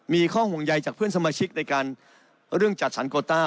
มีข้อห่วงใยจากเพื่อนสมาชิกในการเรื่องจัดสรรโกต้า